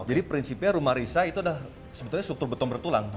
jadi prinsipnya rumah risa itu udah sebetulnya struktur beton bertulang